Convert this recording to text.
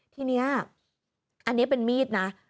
ทีนี้อันนี้เป็นมีดนะ